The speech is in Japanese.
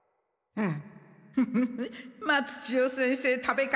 うん。